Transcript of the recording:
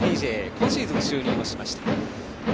今シーズン就任しました。